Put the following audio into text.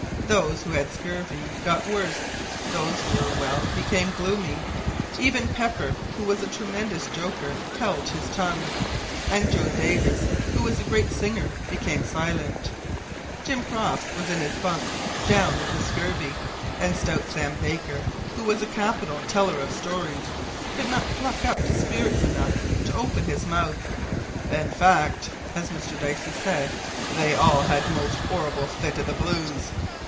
Those who had scurvy, got worse; those who were well, became gloomy. Even Pepper, who was a tremendous joker, held his tongue, and Joe Davis, who was a great singer, became silent. Jim Crofts was in his bunk "down" with the scurvy, and stout Sam Baker, who was a capital teller of stories, could not pluck up spirit enough to open his mouth. "In fact," as Mr Dicey said, "they all had a most 'orrible fit o' the blues!"